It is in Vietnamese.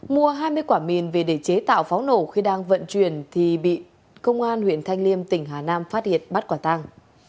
mua hai mươi quả mìn về để chế tạo pháo nổ khi đang vận chuyển thì bị công an huyện thanh liêm tỉnh hà nam phát hiện bắt quả tàng